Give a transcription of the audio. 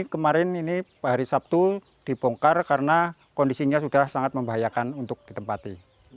kemarin ini hari sabtu dibongkar karena kondisinya sudah sangat membahayakan untuk ditempati